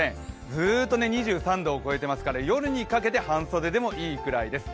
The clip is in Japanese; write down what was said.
ずっと２３度を超えてますから夜にかけて半袖でもいいかもしれません。